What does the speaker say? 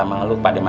menurut gue nih ya